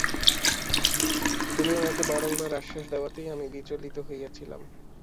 তুমি আমাকে বারংবার আশ্বাস দেওয়াতেই আমি বিচলিত হইয়াছিলাম।